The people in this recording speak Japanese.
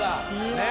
ねえ。